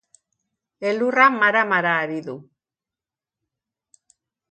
Elurra mara-mara ari du.